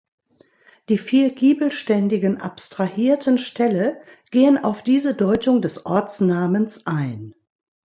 Die vier giebelständigen abstrahierten Ställe gehen auf diese Deutung des Ortsnamens ein.